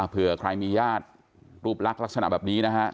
เผื่อใครมีญาติรูปลักษณะแบบนี้นะฮะ